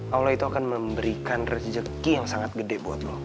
allah itu akan memberikan rezeki yang sangat gede buatmu